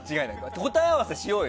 答え合わせしようよ。